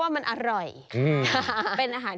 คุณภาคคุณภาค